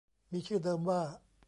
มีชื่อเดิมว่า